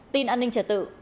tin an ninh trật tự